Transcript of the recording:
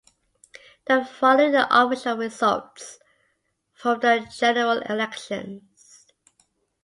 The following are official results from the general elections.